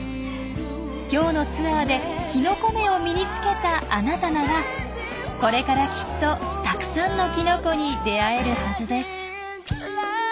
今日のツアーできのこ目を身につけたあなたならこれからきっとたくさんのキノコに出会えるはずです。